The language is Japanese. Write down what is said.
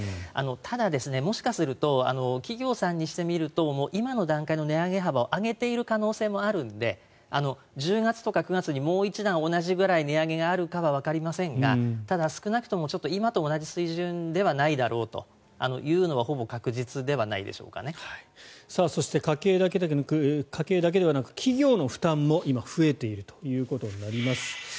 ただ、もしかすると企業さんにしてみると今の段階の値上げ幅を上げている可能性もあるので１０月とか９月にもう一段同じぐらい値上げがあるかはわかりませんがただ、少なくとも今と同じ水準ではないだろうというのはそして、家計だけではなく企業の負担も今、増えているということになります。